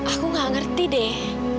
aku gak ngerti deh